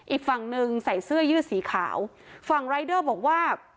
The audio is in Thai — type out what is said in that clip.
อีกฝั่งหนึ่งใส่เสื้อยืดสีขาวฝั่งรายเดอร์บอกว่า